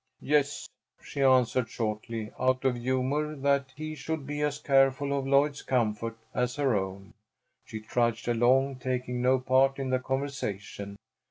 "Yes," she answered, shortly, out of humor that he should be as careful of Lloyd's comfort as her own. She trudged along, taking no part in the conversation.